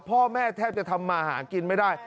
พ่อแม่แทบจะทำมาหากินไม่ได้